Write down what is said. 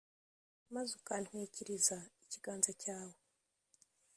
maze ukantwikiriza ikiganza cyawe